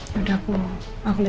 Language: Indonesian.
yaudah aku liat mama dulu deh